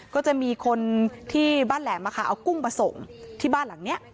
ก็จะมีคนที่บ้านแหลมเอากุ้งมาส่งที่บ้านหลังนี้